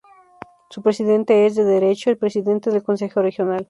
Su presidente es, de derecho, el presidente del consejo regional.